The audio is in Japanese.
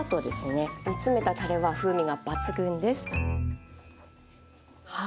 煮つめたたれは風味が抜群です。